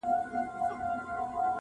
o اوگره په تلوار نه سړېږي!